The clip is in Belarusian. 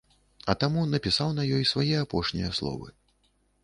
А таму напісаў на ёй свае апошнія словы.